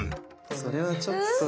それはちょっとね。